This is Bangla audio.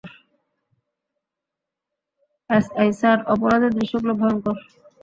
এসআই স্যার, অপরাধের দৃশ্যগুলো ভয়ংকর।